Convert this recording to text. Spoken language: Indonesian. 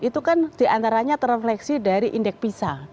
itu kan diantaranya terefleksi dari indeks pisa